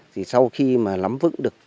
thì sau khi mà lắm vững được